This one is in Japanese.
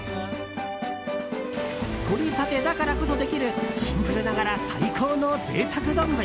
とれたてだからこそできるシンプルながら最高の贅沢丼。